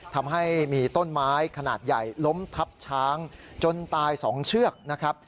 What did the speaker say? ทำให้มีต้นไม้ขนาดใหญ่ล้มทับช้างจนตาย๒เชือกนะครับ